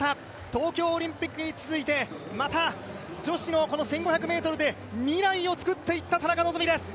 東京オリンピックに続いて、また女子のこの１５００ｍで未来をつくっていった田中希実です。